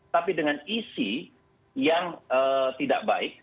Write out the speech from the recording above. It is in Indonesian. tapi dengan isi yang tidak baik